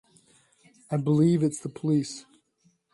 I believe it's the police.